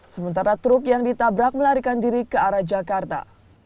sementara truk yang ditabrak melarikan diri ke arah jakarta